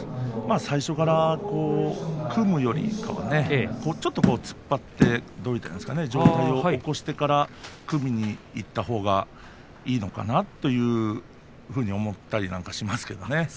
最初から組むよりはちょっと突っ張って上体を起こしてから組みにいったほうがいいのかなというふうに思ったりしますけどね。